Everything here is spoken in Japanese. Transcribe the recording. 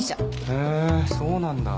へえそうなんだ。